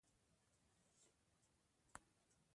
دا به يې ورسره يوه لويه مرسته کړې وي.